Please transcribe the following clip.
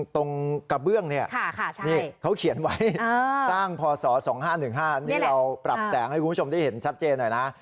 กระเบื้องนี่เขาเขียนไว้สร้างพศ๒๕๑๕นี่เราปรับแสงให้คุณผู้ชมได้เห็นชัดเจนหน่อยนะ